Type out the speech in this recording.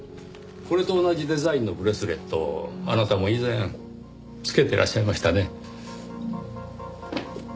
これと同じデザインのブレスレットをあなたも以前着けてらっしゃいましたね？